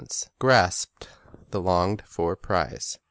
4 cause grasped the longed for prize!